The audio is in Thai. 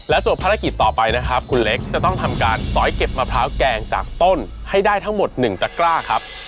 ส่วนภารกิจต่อไปนะครับคุณเล็กจะต้องทำการสอยเก็บมะพร้าวแกงจากต้นให้ได้ทั้งหมด๑ตะกร้าครับ